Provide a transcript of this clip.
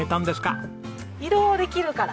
移動できるから。